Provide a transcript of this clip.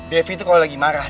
devi itu kalau lagi marah